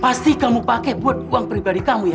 pasti kamu pakai buat uang pribadi kamu ya